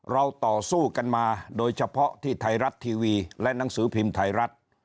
ต่อสู้กันมาโดยเฉพาะที่ไทยรัฐทีวีและหนังสือพิมพ์ไทยรัฐ